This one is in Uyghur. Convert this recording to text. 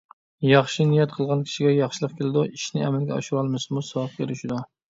ياخشى نىيەت قىلغان كىشىگە ياخشىلىق كېلىدۇ، ئىشنى ئەمەلگە ئاشۇرالمىسىمۇ، ساۋابقا ئېرىشىدۇ.